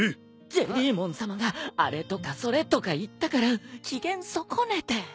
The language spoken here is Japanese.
ジェリーモンさまが「あれ」とか「それ」とか言ったから機嫌損ねて。